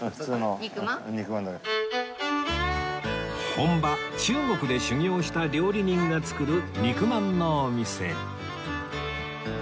本場中国で修業した料理人が作る肉まんのお店